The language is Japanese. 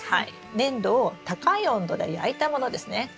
粘土を高い温度で焼いたものですね。